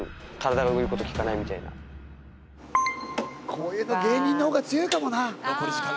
こういうの芸人の方が強いかもな。